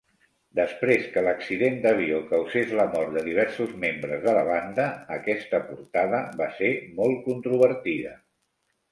Després que l'accident d'avió causés la mort de diversos membres de la banda, aquesta portada va ser molt controvertida.